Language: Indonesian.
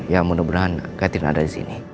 ya mudah mudahan catherine ada disini